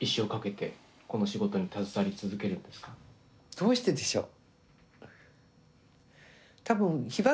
どうしてでしょう。